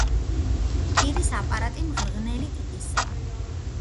პირის აპარატი მღრღნელი ტიპისაა.